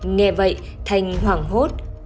nghe vậy thành hoảng hốt